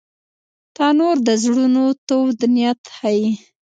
تنور د زړونو تود نیت ښيي